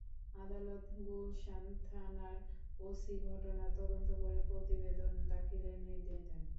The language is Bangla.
আদালত গুলশান থানার ওসি ঘটনার তদন্ত করে প্রতিবেদন দাখিলের নির্দেশ দেন।